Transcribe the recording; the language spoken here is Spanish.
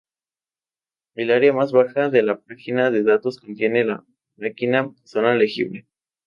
El área más baja de la página de datos contiene la Máquina-zona legible.